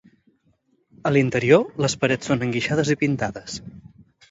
A l'interior, les parets són enguixades i pintades.